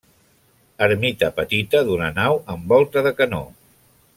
Ermita petita d'una nau amb volta de canó.